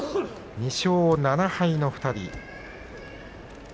２勝７敗の２人です。